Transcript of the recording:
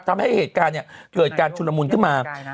ทำให้เหตุการณ์เกิดการชุลมุนขึ้นมา